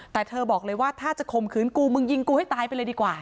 แต่เธอบอกเลยว่าถ้าจะข่มขืนกูมึงยิงกูให้ตายไปเลยดีกว่า